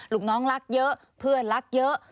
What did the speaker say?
ลูกน้องรักเยอะเพื่อนรักเยอะ